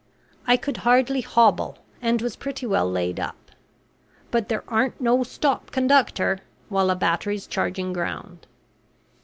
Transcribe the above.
I could hardly hobble, and was pretty well laid up. But "there aren't no 'stop, conductor,' while a battery's changing ground."